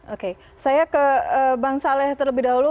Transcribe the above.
oke saya ke bang saleh terlebih dahulu